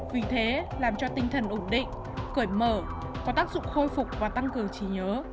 vì thế làm cho tinh thần ổn định cởi mở có tác dụng khôi phục và tăng cường trí nhớ